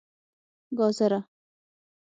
🥕 ګازره